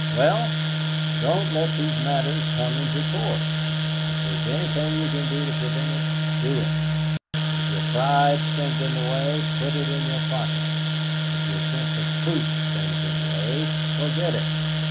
"Well; don't let these matters come into court. If there is anything you can do to prevent it, do it. If your pride stands in the way, put it in your pocket. If your sense of truth stands in the way, forget it.